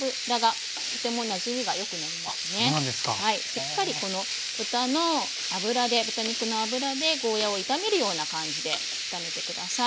しっかりこの豚の脂で豚肉の脂でゴーヤーを炒めるような感じで炒めて下さい。